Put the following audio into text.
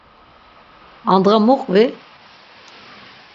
Andğa mu qvi?